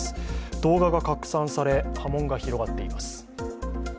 動画が拡散され、波紋が広がっています。